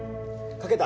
書けた！